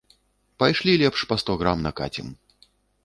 Пайшлі лепш па сто грам накацім.